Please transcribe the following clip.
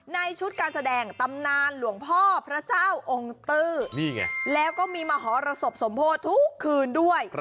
ในชุดการแสดงตำนานหลวงพ่อพระเจ้าองค์ตื้อนี่ไงแล้วก็มีมหรสบสมโพธิทุกคืนด้วย